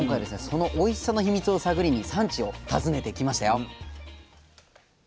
そのおいしさの秘密を探りに産地を訪ねてきましたよ。